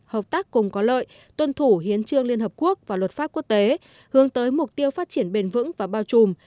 hợp tác cùng có lợi tuân thủ hiến trương liên hợp quốc và luật pháp quốc tế hướng tới mục tiêu phát triển bền vững và bao trùm